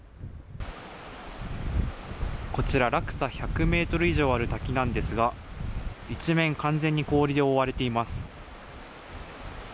こちら、落差１００ｍ以上ある滝なんですが一面、完全に氷で覆われています。